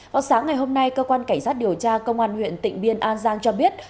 vào sáng ngày hôm nay cơ quan cảnh sát điều tra công an huyện tịnh biên an giang cho biết